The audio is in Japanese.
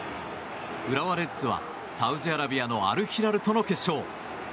浦和レッズはサウジアラビアのアル・ヒラルとの決勝。